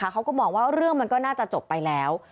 เขาก็มองว่าเรื่องมันก็น่าจะจบไปแล้ว